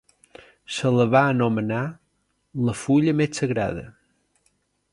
Se la va anomenar "La fulla més sagrada".